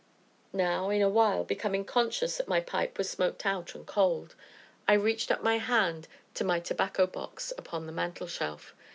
Now, in a while, becoming conscious that my pipe was smoked out and cold, I reached up my hand to my tobacco box upon the mantelshelf.